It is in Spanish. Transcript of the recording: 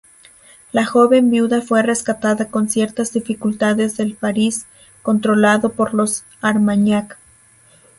La joven viuda fue rescatada con ciertas dificultades del París controlado por los Armañac.